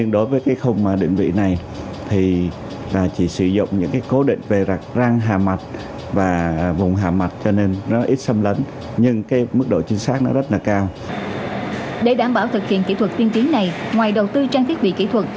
để đảm bảo thực hiện kỹ thuật tiên tiến này ngoài đầu tư trang thiết bị kỹ thuật